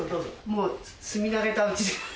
もう住み慣れたうちで。